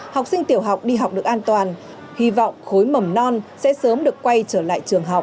học sinh tiểu học đi học được an toàn hy vọng khối mầm non sẽ sớm được quay trở lại trường học